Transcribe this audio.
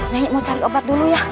mau cari obat dulu ya